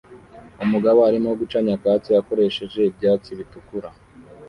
Umugabo arimo guca nyakatsi akoresheje ibyatsi bitukura